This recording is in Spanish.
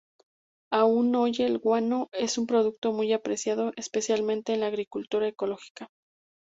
Aún hoy el guano es un producto muy apreciado, especialmente en la agricultura ecológica.